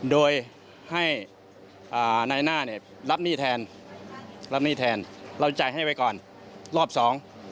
โดยให้อ่านายหน้าเนี่ยรับหนี้แทนรับหนี้แทนเราจ่ายให้ไว้ก่อนรอบสอง